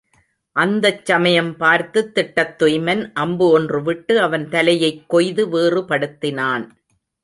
அந்தச் சமயம் பார்த்துத் திட்டத்துய்மன் அம்பு ஒன்று விட்டு அவன் தலையைக் கொய்து வேறுபடுத்தினான்.